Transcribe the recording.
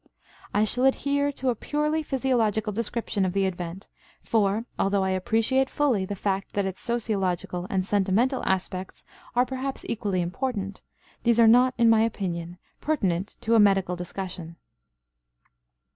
I shall adhere to a purely physiological description of the event, for, although I appreciate fully the fact that its sociological and sentimental aspects are perhaps equally important, these are not, in my opinion, pertinent to a medical discussion.